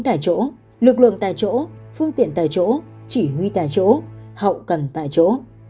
tài chỗ lực lượng tài chỗ phương tiện tài chỗ chỉ huy tài chỗ hậu cần tài chỗ